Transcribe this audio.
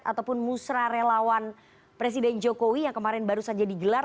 ataupun musyarawawan presiden jokowi yang kemarin baru saja digelar